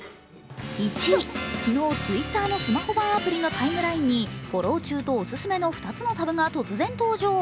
昨日Ｔｗｉｔｔｅｒのスマホ版アプリのタイムランに「フォロー中」と「おすすめ」の２つのタグが登場。